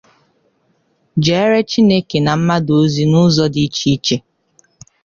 jèèrè Chineke na mmadụ ozi n'ụzọ dị iche iche